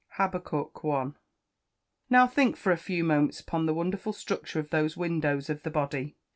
HABAKKUK I.] Now, think for a few moments upon the wonderful structure of those windows of the body.